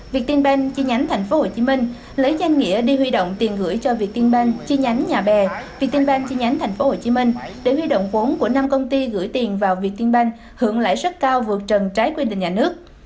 việt tiên ban chi nhánh tp hcm lấy danh nghĩa đi huy động tiền gửi cho việt tiên ban chi nhánh nhà bè việt tiên ban chi nhánh tp hcm để huy động cuốn của năm công ty gửi tiền vào việt tiên ban hưởng lãi sức cao vượt trần trái quyền định nhà nước